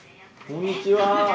こんにちは。